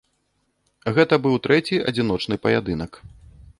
Гэта быў трэці адзіночны паядынак.